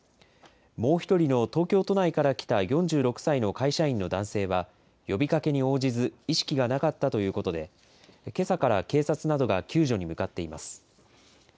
もう１人の東京都内から来た４６歳の会社員の男性は、呼びかけに応じず、意識がなかったということで、けさから警察などが救助に向かっています。